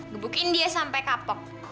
gebukin dia sampe kapok